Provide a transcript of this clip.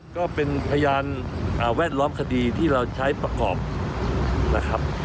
ก็เป็นพยานแวดล้อมคดีที่เราใช้ประกอบนะครับ